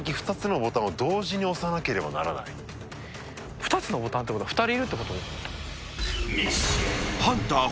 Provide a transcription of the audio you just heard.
２つのボタンってことは２人いるってこと？